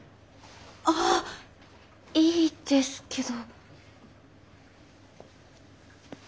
ああいいですけど。